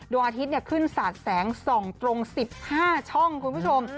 โดยอาทิตย์เนี่ยขึ้นศาสตร์แสง๒ตรง๑๕ช่องคุณผู้ชม